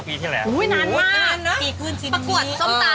ปรากฏส้มตำ